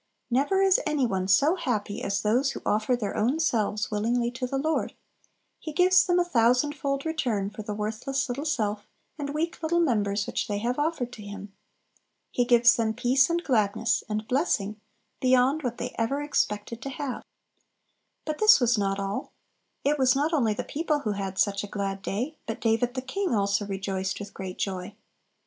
Never is any one so happy as those who offer their own selves willingly to the Lord. He gives them a thousandfold return for the worthless little self and weak little members which they have offered to Him. He gives them peace, and gladness, and blessing, beyond what they ever expected to have. But this was not all; it was not only the people who had such a glad day, but "David the king also rejoiced with great joy."